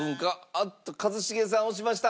あっと一茂さん押しました！